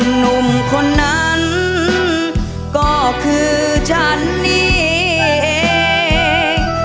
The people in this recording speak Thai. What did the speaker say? หนุ่มคนนั้นก็คือฉันนี่เอง